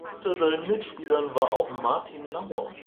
Unter seinen Mitspielern war auch Martin Nauer.